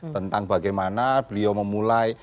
tentang bagaimana beliau memulai